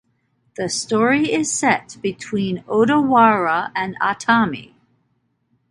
The story is set between Odawara and Atami.